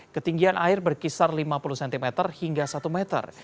ketinggian air berkisar lima puluh cm hingga satu meter